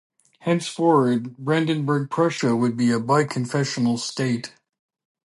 Henceforward, Brandenburg-Prussia would be a bi-confessional state.